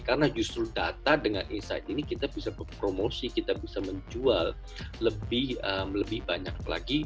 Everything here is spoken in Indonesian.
karena justru data dengan insight ini kita bisa berpromosi kita bisa menjual lebih banyak lagi